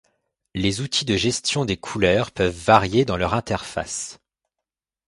Les outils de gestion des couleurs peuvent varier dans leur interface.